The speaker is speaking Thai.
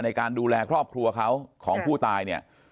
ในการดูแลครอบครัวเขาของผู้ตายเนี่ย